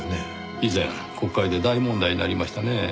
以前国会で大問題になりましたねぇ。